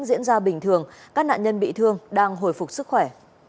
diễn ra bình thường các nạn nhân bị thương đang hồi phục sức khỏe